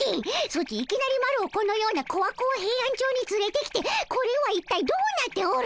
ソチいきなりマロをこのようなコワコワヘイアンチョウにつれてきてこれはいったいどうなっておるのじゃ。